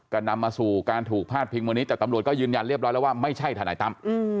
ก็นำมาสู่การถูกพาดพิงวันนี้แต่ตำรวจก็ยืนยันเรียบร้อยแล้วว่าไม่ใช่ทนายตั้ม